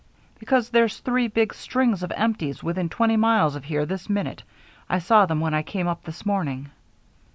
"Because there's three big strings of empties within twenty miles of here this minute. I saw them when I came up this morning."